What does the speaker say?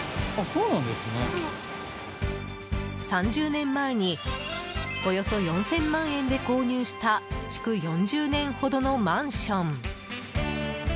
３０年前におよそ４０００万円で購入した築４０年ほどのマンション。